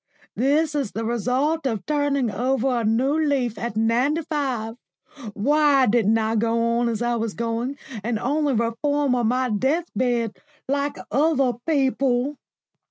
This is the result of turning over a new leaf at ninety five. Why didn't I go on as I was going, and only reform on my death bed like other people?"